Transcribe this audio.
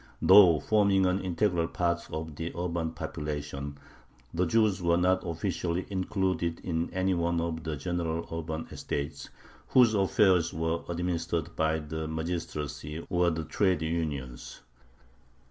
Though forming an integral part of the urban population, the Jews were not officially included in any one of the general urban estates, whose affairs were administered by the magistracy or the trade unions.